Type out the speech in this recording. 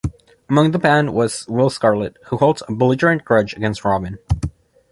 Among the band is Will Scarlet, who holds a belligerent grudge against Robin.